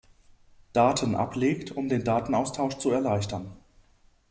Daten ablegt, um den Datenaustausch zu erleichtern.